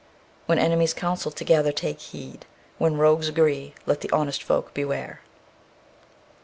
_ When enemies counsel together, take heed; when rogues agree, let the honest folk beware.